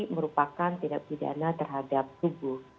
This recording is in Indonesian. merupakan tindak pidana terhadap tubuh